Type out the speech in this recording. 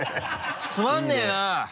「つまんねぇな！